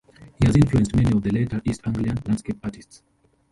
He has influenced many of the later East Anglian landscape artists.